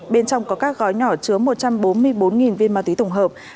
bên trong có các gói nhỏ chứa một trăm bốn mươi bốn viên ma túy tổng hợp